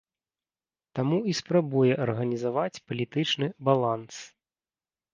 Таму і спрабуе арганізаваць палітычны баланс.